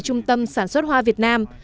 trung tâm sản xuất hoa việt nam